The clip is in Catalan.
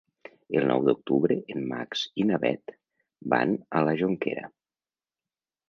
El nou d'octubre en Max i na Bet van a la Jonquera.